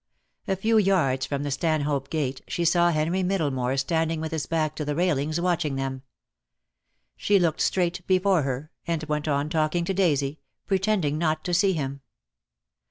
A few yards from the Stanhope Gate she saw Henry Middlemore standing with his back to the railings watching them. She looked straight before her, and went on talking to Daisy, pretending not to see him.